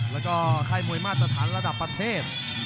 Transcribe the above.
แล้วก็ค่ายมวยมาตรฐานระดับประเทศ